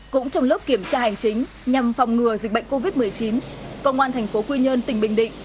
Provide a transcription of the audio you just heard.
cũng trong lớp kiểm tra hành chính nhằm phòng ngừa dịch bệnh covid một mươi chín công an thành phố quy nhơn tỉnh bình định